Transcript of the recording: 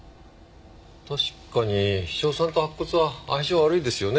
確かに硝酸と白骨は相性悪いですよね。